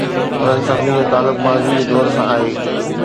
انهن سڀني جو تعلق ماضيءَ جي دور سان آهي.